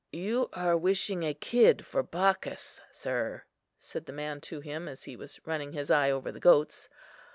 "You are wishing a kid for Bacchus, sir," said the man to him as he was running his eye over the goats.